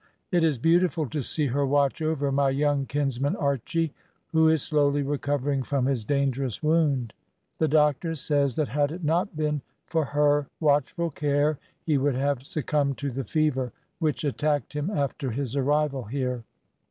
It is beautiful to see her watch over my young kinsman Archy, who is slowly recovering from his dangerous wound. The doctor says that had it not been for her watchful care he would have succumbed to the fever, which attacked him after his arrival here.